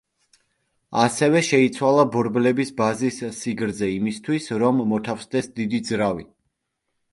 ასევე შეიცვალა ბორბლების ბაზის სიგრძე იმისთვის, რომ მოთავსდეს დიდი ძრავი.